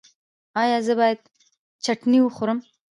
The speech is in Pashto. ایا زه باید چتني وخورم؟